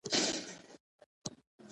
په دې لټه کې دي چې څنګه خپل قدرت ټینګ کړي.